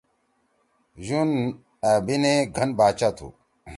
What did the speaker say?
یون أبیننے گھن باچا تھو